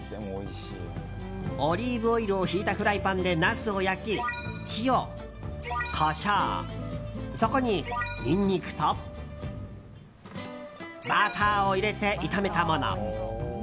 オリーブオイルをひいたフライパンでナスを焼き塩、コショウ、そこにニンニクとバターを入れて炒めたもの。